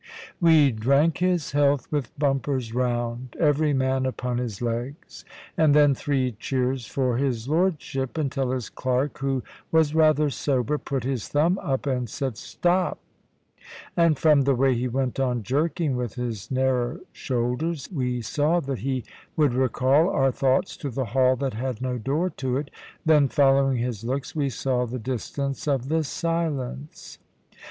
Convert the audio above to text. We drank his health with bumpers round, every man upon his legs, and then three cheers for his lordship; until his clerk, who was rather sober, put his thumb up, and said "Stop." And from the way he went on jerking with his narrow shoulders, we saw that he would recall our thoughts to the hall that had no door to it. Then following his looks, we saw the distance of the silence.